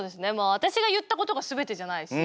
私が言ったことが全てじゃないし。